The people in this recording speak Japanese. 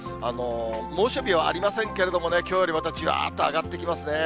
猛暑日はありませんけれどもね、きょうよりもまたじわっと上がってきますね。